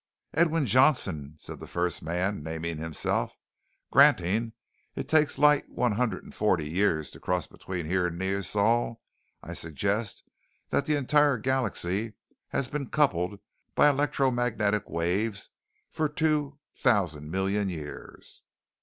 "Edwin Johnson," said the first man naming himself. "Granting that it takes light one hundred and forty years to cross between here and Neosol, I suggest that the entire galaxy has been coupled by electromagnetic waves for two thousand million years."